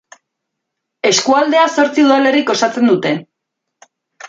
Eskualdea zortzi udalerrik osatzen dute.